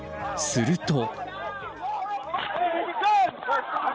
すると。